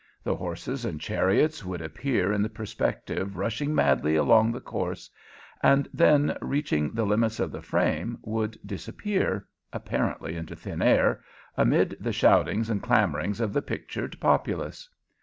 The horses and chariots would appear in the perspective rushing madly along the course, and then, reaching the limits of the frame, would disappear, apparently into thin air, amid the shoutings and clamorings of the pictured populace.